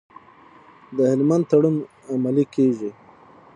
د هلمند تړون عملي کیږي؟